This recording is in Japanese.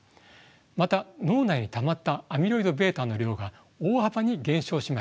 また脳内にたまったアミロイドβの量が大幅に減少しました。